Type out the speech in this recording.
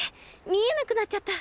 みえなくなっちゃった。